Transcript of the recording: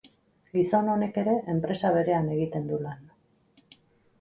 Gizon honek ere enpresa berean egiten du lan.